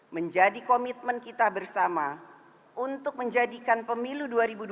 menjadi komitmen kita bersama untuk menjadikan pemilu dua ribu dua puluh